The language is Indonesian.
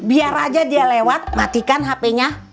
biar aja dia lewat matikan hp nya